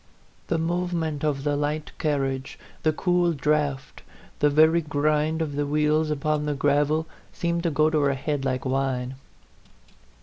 The movement of the light carriage, the cool draught, the very grind of the wheels upon the gravel, seemed to go to her head like wine.